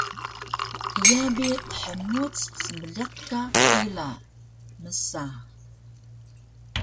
“Iya bi khmci smeeliq ka pila” msa